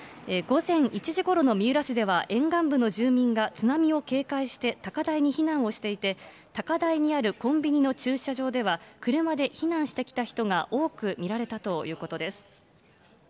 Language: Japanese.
午前１時ごろの三浦市では、沿岸部の住民が津波を警戒して、高台に避難をしていて、高台にあるコンビニの駐車場では、車で避難してきた人が多く見られたということです。